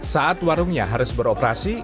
saat warungnya harus beroperasi